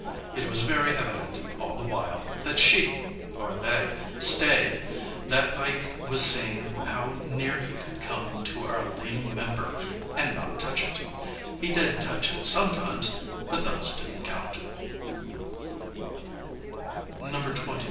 It was very evident, all the while, that she, or they, stayed, that Ike was seeing how near he could come to our lame member, and not touch it. He did touch it sometimes, but those didn't count.